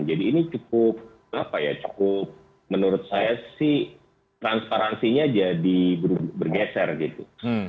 jadi ini cukup apa ya cukup menurut saya sih transparansinya jadi bergeser gitu